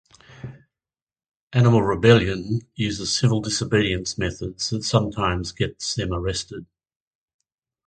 Animal Rebellion use civil disobedience methods that sometimes get them arrested.